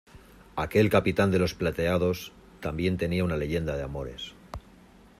aquel capitán de los plateados también tenía una leyenda de amores.